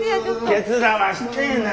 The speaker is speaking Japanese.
手伝わしてな。